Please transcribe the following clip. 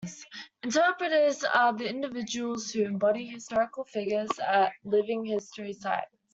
"Interpreters" are the individuals who embody historical figures at living history sites.